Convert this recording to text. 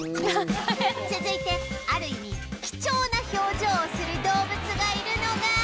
続いてある意味貴重な表情をする動物がいるのが